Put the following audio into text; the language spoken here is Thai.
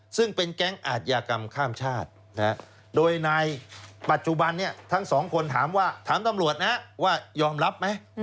ซึ่งเป็นแก๊งอาทยากรรมข้ามชาติโดยในปัจจุบันนี้ทั้งสองคนถามว่าถามตำรวจนะว่ายอมรับไหม